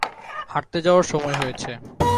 হাঁটতে যাওয়ার সময় হয়েছে।